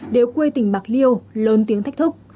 đều quê tỉnh bạc liêu lớn tiếng thách thức